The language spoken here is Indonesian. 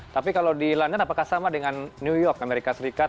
tapi kalau di london apakah sama dengan new york amerika serikat